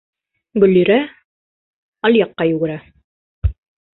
Гөллирә алъяҡҡа йүгерә.